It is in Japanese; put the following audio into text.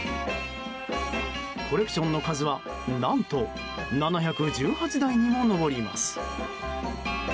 コレクションの数は何と７１８台にも上ります。